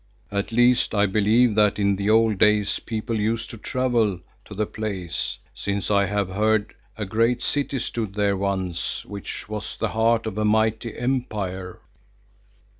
At least I believe that in the old days people used to travel to the place, since I have heard a great city stood there once which was the heart of a mighty empire."